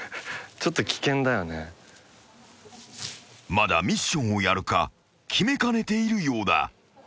［まだミッションをやるか決めかねているようだ］